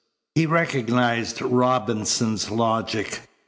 He recognized Robinson's logic.